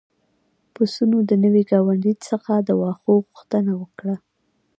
پسونو د نوي ګاونډي څخه د واښو غوښتنه وکړه.